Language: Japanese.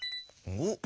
おっ！